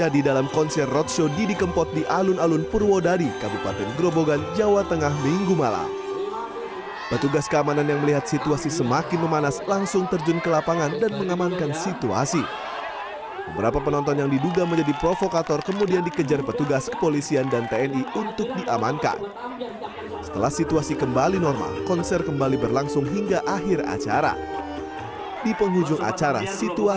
di penghujung acara situasi kembali memanas